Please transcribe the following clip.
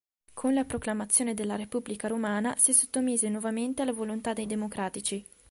Con la proclamazione della Repubblica romana si sottomise nuovamente alla volontà dei democratici.